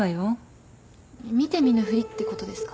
見て見ぬふりってことですか？